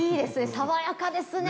爽やかですね！